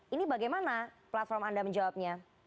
ini bagaimana platform anda menjawabnya